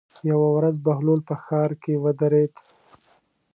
یوه ورځ بهلول په ښار کې ودرېد.